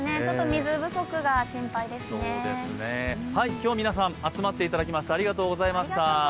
今日皆さん集まってきたいただきましてありがとうございました。